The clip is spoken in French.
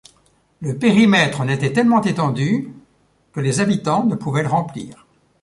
Le périmètre en était tellement étendu que les habitants ne pouvaient le remplir.